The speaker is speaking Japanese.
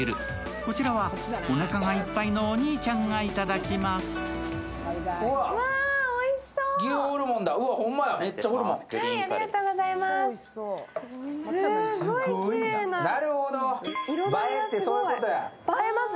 こちらはおなかがいっぱいのお兄ちゃんがいただきます。